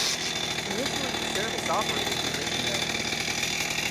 Initially the service operated through radio.